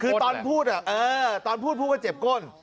คือตอนพูดตอนพูดพูดว่าเจ็บก้น